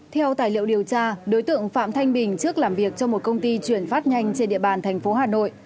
theo tài liệu điều tra đối tượng phạm thanh bình trước làm việc trong một công ty chuyển phát nhanh trên địa bàn thành phố hà nội